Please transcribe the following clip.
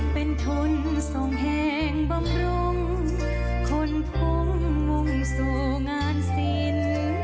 เป็นทุนส่องแห่งบำรุงคนพุงวงสวงานสิน